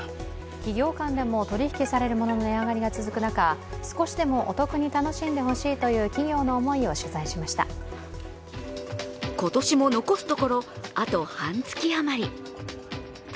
企業間でも取引されるものの値上がりが続く中、少しでもお得に楽しんでほしいという企業の思いを取材しました。